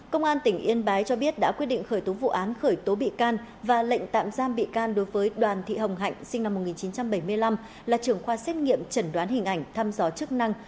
công an tỉnh yên bái cho biết đã quyết định khởi tố vụ án khởi tố bị can và lệnh tạm giam bị can đối với đoàn thị hồng hạnh sinh năm một nghìn chín trăm bảy mươi năm là trưởng khoa xét nghiệm chẩn đoán hình ảnh thăm dò chức năng